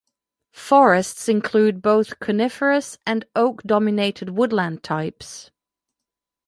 Forests include both coniferous- and oak-dominated woodland types.